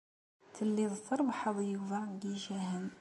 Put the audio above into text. Telliḍ trebbḥeḍ Yuba deg yicahen.